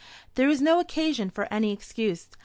"There is no occasion for any excuse.